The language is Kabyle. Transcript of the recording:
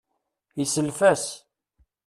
Yesself-as.